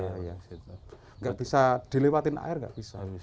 tidak bisa dilewati air tidak bisa